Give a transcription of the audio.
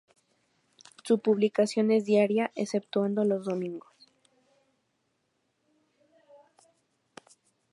Su publicación es diaria, exceptuando los domingos.